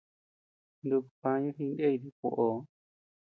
Nuku pañu jikney dikuoʼoo.